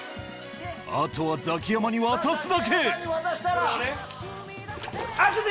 あとはザキヤマに渡すだけこれをね。